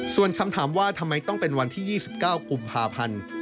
ส่วนคำถามว่าทำไมต้องเป็นวันที่๒๙กุมภาพันธ์